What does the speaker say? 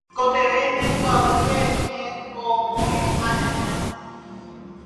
tekotevẽ ñamboyke ñeko'õi ha ñaña.